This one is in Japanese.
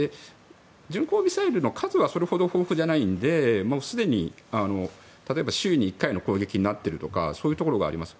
巡航ミサイルの数はそこまで豊富ではないのですでに、例えば週に１回の攻撃になっているとかそういうところがあります。